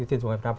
ủng hộ việt nam